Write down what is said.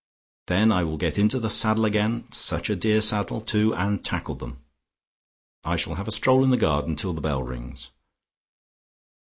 Then I will get into the saddle again, such a dear saddle, too, and tackle them. I shall have a stroll in the garden till the bell rings.